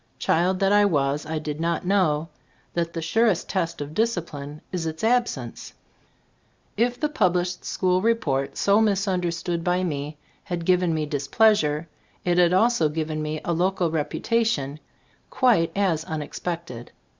Child that I was, I did not know that the surest test of discipline is its absence. If the published school report, so ttbe Storp of a& Cbf Idbood 121 misunderstood by me, had given me displeasure, it had also given me a local reputation, quite as unexpected.